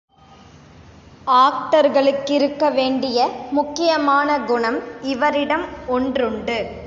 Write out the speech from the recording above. ஆக்டர்களுக்கிருக்க வேண்டிய முக்கியமான குணம் இவரிடம் ஒன்றுண்டு.